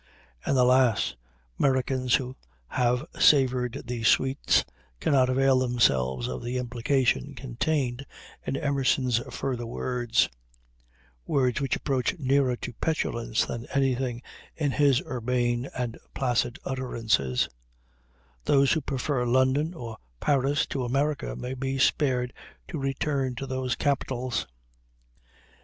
And alas! Americans who have savored these sweets cannot avail themselves of the implication contained in Emerson's further words words which approach nearer to petulance than anything in his urbane and placid utterances "those who prefer London or Paris to America may be spared to return to those capitals."